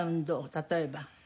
例えば。